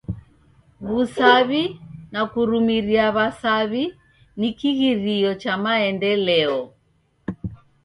W'usaw'i na kurumiria w'asaw'i ni kighirio cha maendeleo.